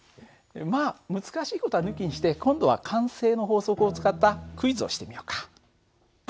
まあ難しい事は抜きにして今度は慣性の法則を使ったクイズをしてみようか。